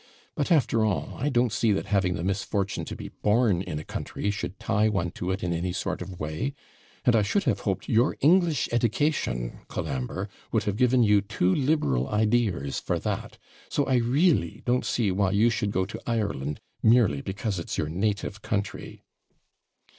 But, after all, I don't see that having the misfortune to be born in a country should tie one to it in any sort of way; and I should have hoped your English EDICATION, Colambre, would have given you too liberal IDEARS for that so I REELLY don't see why you should go to Ireland merely because it's your native country.'